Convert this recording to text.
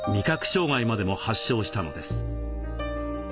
障害までも発症したのです。